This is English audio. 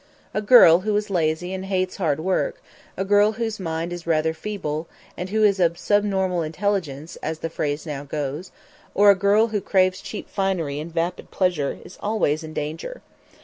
A girl who is lazy and hates hard work, a girl whose mind is rather feeble, and who is of "subnormal intelligence," as the phrase now goes, or a girl who craves cheap finery and vapid pleasure, is always in danger.